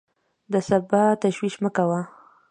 د سبا تشویش مه کوه!